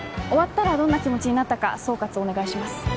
終わったらどんな気持ちになったか総括お願いします